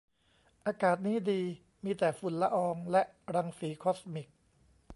อวกาศนี้ดี มีแต่ฝุ่นละออง และรังสีคอสมิก